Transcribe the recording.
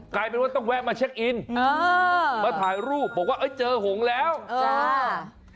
กลายเป็นว่าต้องแวะมาเช็คอินเออมาถ่ายรูปบอกว่าเอ้ยเจอหงแล้วจ้า